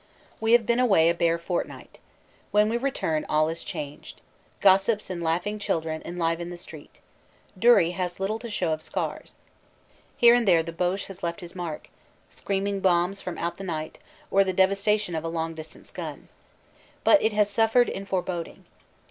We have been away a bare fortnight. When we return all is changed. Gossips and laughing children enliven the street. Dury has little to show of scars. Here and there the Boche has left his mark screaming bombs from out the night, or the devastation of a long distance gun. But it has suffered in fore boding.